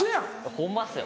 ホンマっすよ